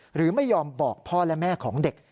หรือไม่ยอมบอกพ่อและแม่ของเด็ก